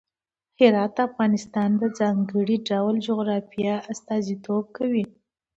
هرات د افغانستان د ځانګړي ډول جغرافیه استازیتوب کوي.